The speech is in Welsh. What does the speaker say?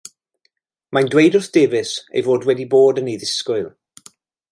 Mae'n dweud wrth Davies ei fod wedi bod yn ei ddisgwyl.